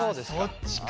そっちか。